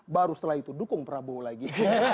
baru setelah itu dukung prabowo lagi